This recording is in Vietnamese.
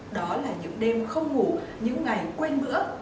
đó là những đêm không ngủ những ngày quên mỡ